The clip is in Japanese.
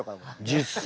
１０歳。